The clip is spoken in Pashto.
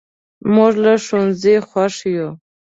موږ له ښوونځي خوښ یو.